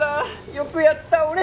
よくやった俺！